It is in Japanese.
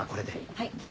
はい。